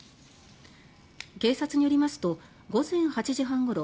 警察によりますと午前８時半ごろ